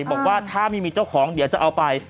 บอกว่าถ้าไม่มีเจ้าของเดี๋ยวจะเอาไป